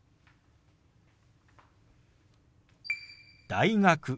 「大学」。